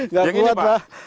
gak kuat pak